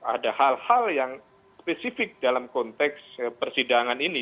ada hal hal yang spesifik dalam konteks persidangan ini